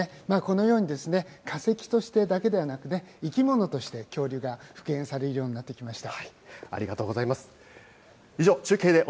このように化石としてだけではなく、生き物として恐竜が復元されるようになってきました。